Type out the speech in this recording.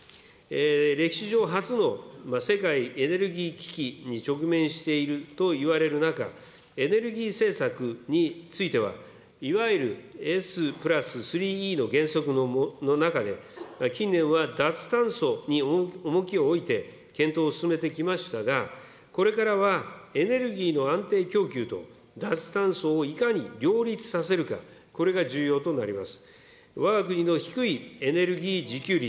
歴史上初の世界エネルギー危機に直面しているといわれる中、エネルギー政策については、いわゆるＳプラススリーイーの原則の中で、近年は脱炭素に重きを置いて、検討を進めてきましたが、これからはエネルギーの安定供給と脱炭素をいかに両立させるか、これが重要となります。